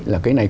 là cái này